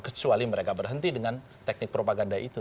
kecuali mereka berhenti dengan teknik propaganda itu